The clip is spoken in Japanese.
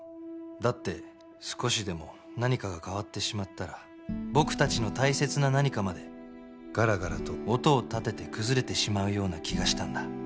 だって少しでも何かが変わってしまったら僕たちの大切な何かまでガラガラと音を立てて崩れてしまうような気がしたんだ